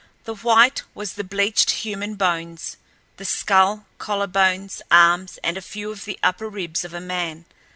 The white was the bleached human bones—the skull, collar bones, arms, and a few of the upper ribs of a man.